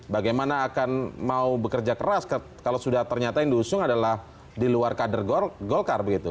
bagaimana akan mau bekerja keras kalau sudah ternyata yang diusung adalah di luar kader golkar begitu